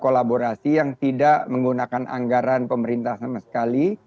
kolaborasi yang tidak menggunakan anggaran pemerintah sama sekali